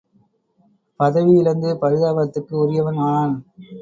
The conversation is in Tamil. பதவி இழந்து பரிதாபத்துக்கு உரியவன் ஆனான்.